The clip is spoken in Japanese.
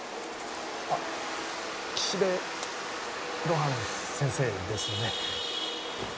あっ岸辺露伴先生ですよね。